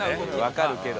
分かるけど。